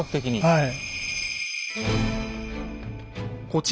はい。